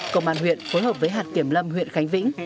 công an huyện phối hợp với hạt kiểm lâm huyện khánh vĩnh